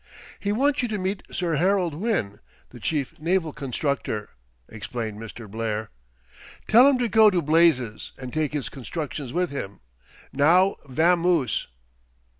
"He wants you to meet Sir Harold Winn, the chief naval constructor," explained Mr. Blair. "Tell him to go to blazes and take his constructions with him. Now vamoose."